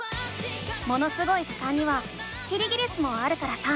「ものすごい図鑑」にはキリギリスもあるからさ